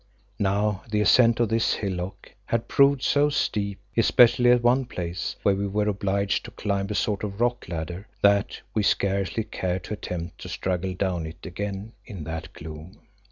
Now the ascent of this hillock had proved so steep, especially at one place, where we were obliged to climb a sort of rock ladder, that we scarcely cared to attempt to struggle down it again in that gloom.